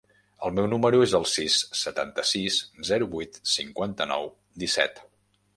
El meu número es el sis, setanta-sis, zero, vuit, cinquanta-nou, disset.